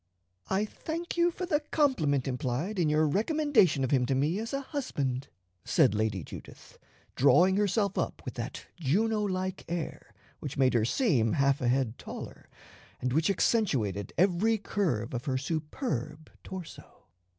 "I thank you for the compliment implied in your recommendation of him to me as a husband," said Lady Judith, drawing herself up with that Juno like air which made her seem half a head taller, and which accentuated every curve of her superb torso.